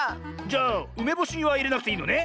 じゃあうめぼしはいれなくていいのね？